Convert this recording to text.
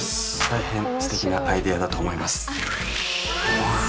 大変すてきなアイデアだと思います。